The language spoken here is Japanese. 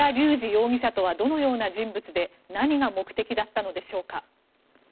容疑者とはどのような人物で何が目的だったのでしょうか。